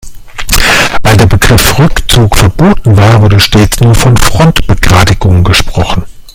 Weil der Begriff Rückzug verboten war, wurde stets nur von Frontbegradigung gesprochen.